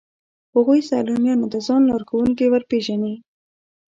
هغوی سیلانیانو ته ځان لارښوونکي ورپېژني.